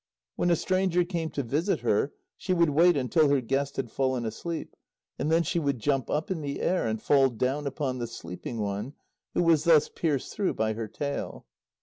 When a stranger came to visit her, she would wait until her guest had fallen asleep, and then she would jump up in the air, and fall down upon the sleeping one, who was thus pierced through by her tail.